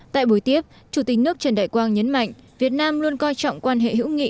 tại buổi tiếp chủ tịch nước trần đại quang nhấn mạnh việt nam luôn coi trọng quan hệ hữu nghị